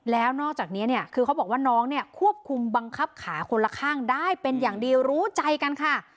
แล้วนอกจากนี้เนี่ยคือเขาบอกว่าน้องเนี่ยควบคุมบังคับขาคนละข้างได้เป็นอย่างดีรู้ใจกันค่ะ